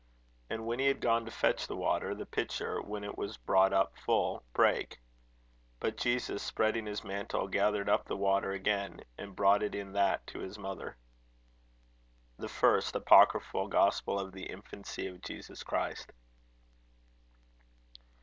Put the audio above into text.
And when he had gone to fetch the water, the pitcher, when it was brought up full, brake. But Jesus, spreading his mantle, gathered up the water again, and brought it in that to his mother. The First (apocryphal) Gospel of the INFANCY of JESUS CHRIST.